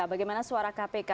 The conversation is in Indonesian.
bagaimana suara kpk